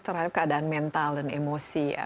terhadap keadaan mental dan emosi ya